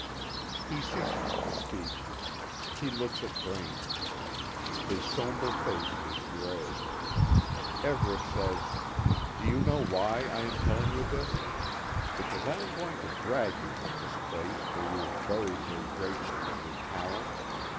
He ceases to speak. He looks at Braine. His sombre face is gray. Everet says: "Do you know why I am telling you this? Because I am going to drag you from this place where you have buried your greatness and your talents.